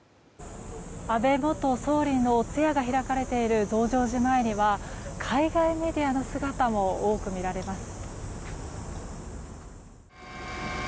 安倍元総理の通夜が開かれている増上寺前には海外メディアの姿も多く見られます。